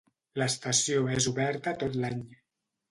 L'estació és oberta tot l'any.